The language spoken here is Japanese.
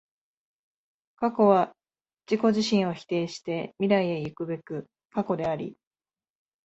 過去は自己自身を否定して未来へ行くべく過去であり、